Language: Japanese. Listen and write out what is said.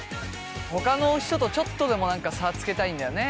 ほかの人とちょっとでも差つけたいんだよね